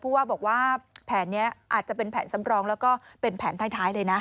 ว่าบอกว่าแผนนี้อาจจะเป็นแผนสำรองแล้วก็เป็นแผนท้ายเลยนะ